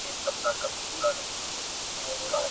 چي دي تود سترخوان هوار وي کور دي ډک وي له دوستانو !.